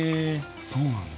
そうなんだ。